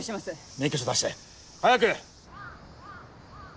免許証出して早く！